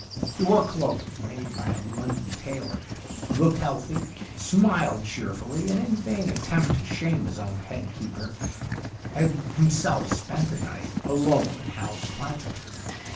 He wore clothes made by a London tailor, looked healthy, smiled cheerfully, and, in a vain attempt to shame his own head keeper, had himself spent a night alone in Hal's Planting.